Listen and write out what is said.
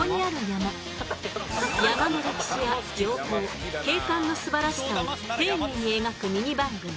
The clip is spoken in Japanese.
山の歴史や情報景観の素晴らしさを丁寧に描くミニ番組。